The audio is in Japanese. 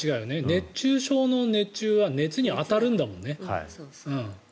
熱中症の熱中は熱にあたるんだもんね。